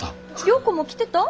良子も来てた？